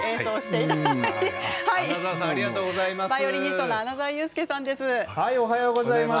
バイオリニストの穴澤雄介さんです。